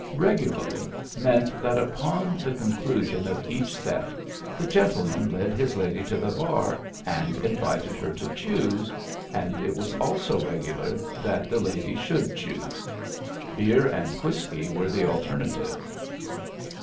"Regularly" meant that upon the conclusion of each set the gentleman led his lady to the bar and invited her to choose and it was also regular that the lady should choose. Beer and whiskey were the alternatives.